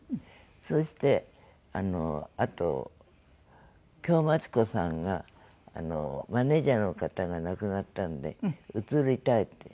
そうしてあと京マチ子さんがマネジャーの方が亡くなったので移りたいって。